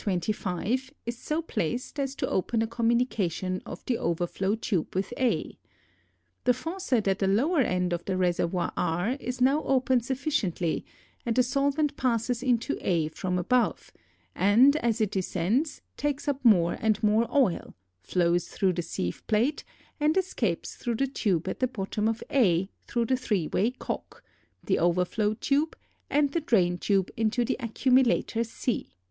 25 is so placed as to open a communication of the overflow tube with A. The faucet at the lower end of the reservoir R is now opened sufficiently and the solvent passes into A from above, and as it descends takes up more and more oil, flows through the sieve plate, and escapes through the tube at the bottom of A through the three way cock, the overflow tube, and the drain tube into the accumulator C.